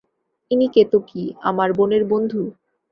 ইনি কেতকী, আমার বোনের বন্ধু।